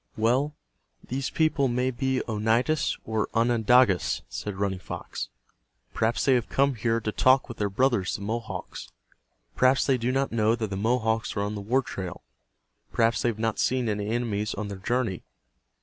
"Well, these people may he Oneidas or Onondagas," said Running Fox. "Perhaps they have come here to talk with their brothers, the Mohawks. Perhaps they do not know that the Mohawks are on the war trail. Perhaps they have not seen any enemies on their journey.